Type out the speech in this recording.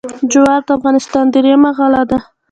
جوار د افغانستان درېیمه غله ده.